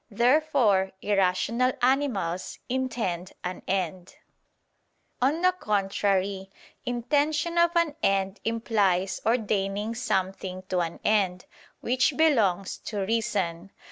Therefore irrational animals intend an end. On the contrary, Intention of an end implies ordaining something to an end: which belongs to reason.